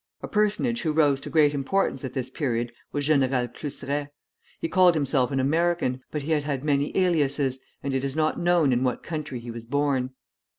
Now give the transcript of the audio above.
A personage who rose to great importance at this period was General Cluseret. He called himself an American, but he had had many aliases, and it is not known in what country he was born.